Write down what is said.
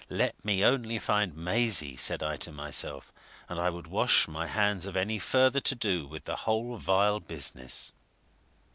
Let me only find Maisie, said I to myself, and I would wash my hands of any further to do with the whole vile business.